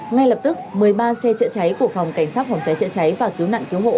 ngay lập tức một mươi ba xe chữa cháy của phòng cảnh sát phòng cháy chữa cháy và cứu nạn cứu hộ